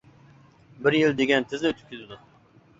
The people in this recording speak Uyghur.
بىر يىل دېگەن تىزلا ئۆتۈپ كېتىدۇ.